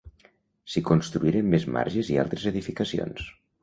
S’hi construïren més marges i altres edificacions.